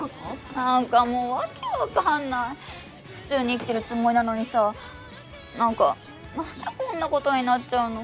何かもう訳分かんない普通に生きてるつもりなのにさ何か何でこんなことになっちゃうの？